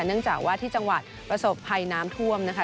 เนื่องจากว่าที่จังหวัดประสบภัยน้ำท่วมนะคะ